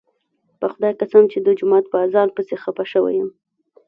په خدای قسم چې د جومات په اذان پسې خپه شوی یم.